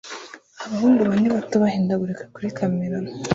Abahungu bane bato bahindagurika kuri kamera